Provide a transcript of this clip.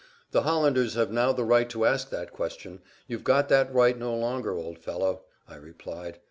"The Hollanders have now the right to ask that question; you've got that right no longer, old fellow," I replied.